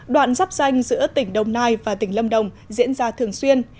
đoạn dắp danh giữa tỉnh đồng nai và tỉnh lâm đồng diễn ra thường xuyên